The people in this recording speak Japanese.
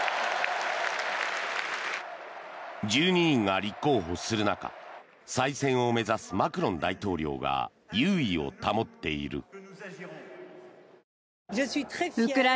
１２人が立候補する中再選を目指すマクロン大統領が優位を保っている。